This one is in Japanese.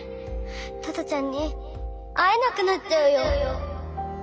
トトちゃんに会えなくなっちゃうよ！